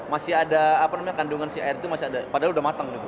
masih ada kandungan air itu padahal udah matang